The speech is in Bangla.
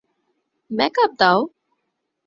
ব্যাক আপ দাও!